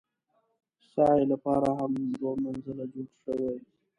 سعې لپاره هم دوه منزله ځای جوړ شوی.